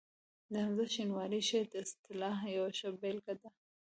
د حمزه شینواري شعر د اصطلاح یوه ښه بېلګه ده